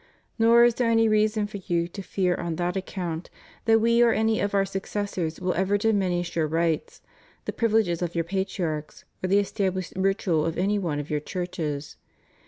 Nor is there any reason for you to fear on that account that We or any of Our successors will ever diminish your rights, the privileges of your patriarchs, or the established ritual of any one of your churches.